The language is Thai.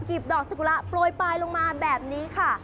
ดอกสกุระโปรยปลายลงมาแบบนี้ค่ะ